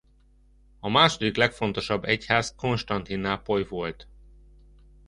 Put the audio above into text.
A második legfontosabb egyház Konstantinápoly volt.